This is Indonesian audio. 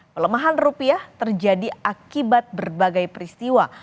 pelemahan rupiah terjadi akibat berbagai peristiwa